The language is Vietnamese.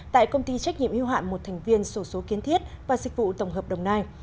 tại công ty trách nhiệm yêu hạm một thành viên sổ số kiến thiết và dịch vụ tổng hợp đồng nai